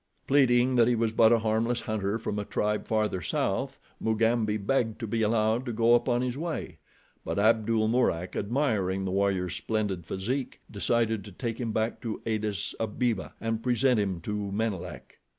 Pleading that he was but a harmless hunter from a tribe farther south, Mugambi begged to be allowed to go upon his way; but Abdul Mourak, admiring the warrior's splendid physique, decided to take him back to Adis Abeba and present him to Menelek.